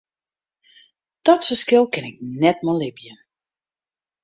Dat ferskil kin ik net mei libje.